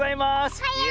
おはよう！